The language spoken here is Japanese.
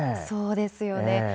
そうですよね。